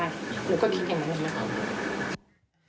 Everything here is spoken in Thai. หนูก็คิดอย่างนั้นนะคะ